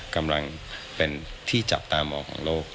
กำลังเป็นที่จับตามองของโลก